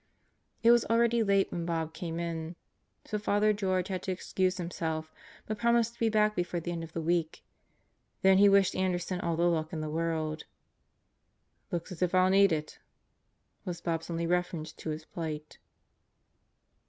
It was already late when Bob came in, so Father George had to excuse himself but promised to be back before the end of the week. Then he wished Anderson all the luck in the world. "Looks as if I'll need it," was Bob's only reference to his plight.